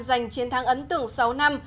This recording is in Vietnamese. giành chiến thắng ấn tưởng sáu năm